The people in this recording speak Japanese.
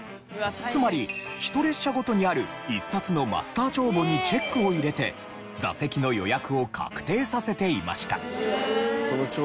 つまり１列車ごとにある１冊のマスター帳簿にチェックを入れて座席の予約を確定させていました。